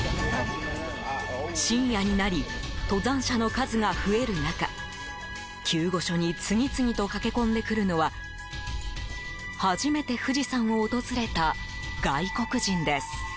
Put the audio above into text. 深夜になり登山者の数が増える中救護所に次々と駆け込んでくるのは初めて富士山を訪れた外国人です。